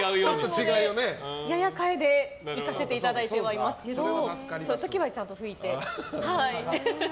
ややかえでいかせていただいてはいますけどそういう時はちゃんと拭いて。